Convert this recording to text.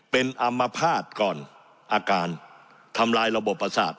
เป็นอัมพาตก่อนอาการทำลายระบบประสาท